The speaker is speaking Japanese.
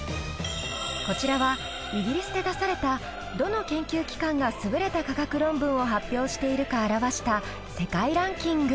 こちらはイギリスで出されたどの研究機関が優れた科学論文を発表しているか表した世界ランキング。